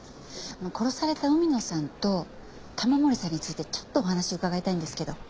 殺された海野さんと玉森さんについてちょっとお話伺いたいんですけど。